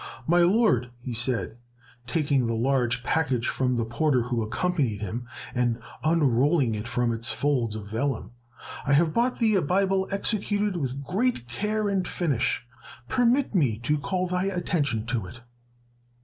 "My lord," he said, taking the large package from the porter who accompanied him, and unrolling it from its folds of vellum, "I have brought thee a Bible executed with great care and finish. Permit me to call thy attention to it."